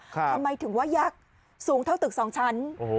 ทำไมถึงว่ายักษ์สูงเท่าตึกสองชั้น